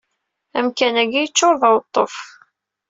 Amkan-agi yeččur d aweṭṭuf.